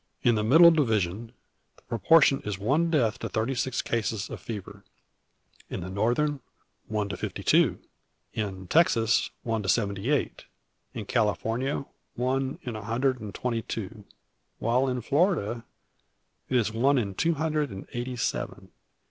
In the middle division, the proportion is one death to thirty six cases of fever; in the northern, one to fifty two; in Texas, one to seventy eight; in California, one in a hundred and twenty two; while in Florida it is one in two hundred and eighty seven."